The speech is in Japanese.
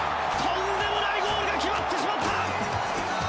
とんでもないゴールが決まってしまった！